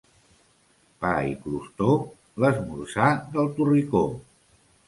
Pa i crostó, l'esmorzar del Torricó.